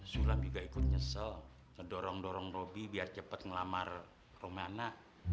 su lam juga ikut nyesel ngedorong dorong robi biar cepet ngelamar romiana